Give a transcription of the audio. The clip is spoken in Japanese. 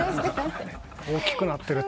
大きくなってる。